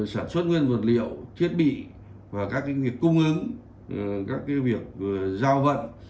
sản xuất nguyên vật liệu thiết bị và các công ứng các việc giao vận